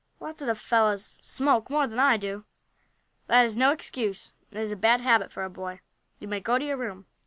Lots of the fellows smoke more than I do." "That is no excuse. It is a bad habit for a boy. You may go to your room.